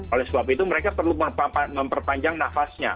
oleh sebab itu mereka perlu memperpanjang nafasnya